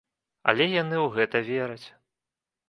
Але яны ў гэта вераць.